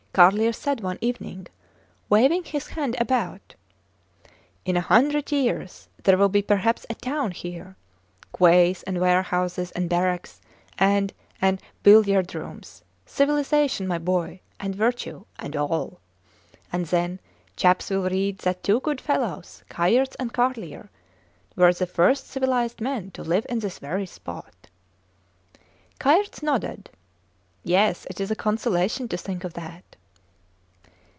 Carlier said one evening, waving his hand about, In a hundred years, there will be perhaps a town here. Quays, and warehouses, and barracks, and and billiard rooms. Civilization, my boy, and virtue and all. And then, chaps will read that two good fellows, Kayerts and Carlier, were the first civilized men to live in this very spot! Kayerts nodded, Yes, it is a consolation to think of that.